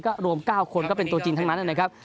ก็รวม๙คนก็เป็นตัวจริงทั้งนั้นนะครับ